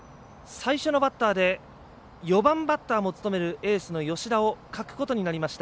最初のバッターで４番バッターも務めるエースの吉田を欠くことになりました。